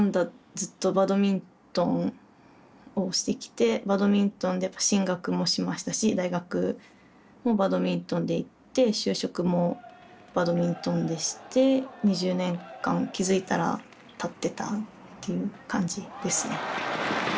ずっとバドミントンをしてきてバドミントンで進学もしましたし大学もバドミントンで行って就職もバドミントンでして２０年間気付いたらたってたっていう感じですね。